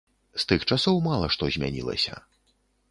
З тых часоў мала што змянілася.